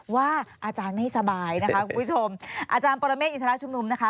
ว่าอาจารย์ไม่สบายนะคะคุณผู้ชมอาจารย์ปรเมฆอินทรชุมนุมนะคะ